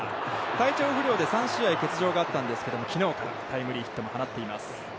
体調不良で３試合欠場があったんですが、きのうからタイムリーヒットも放っています。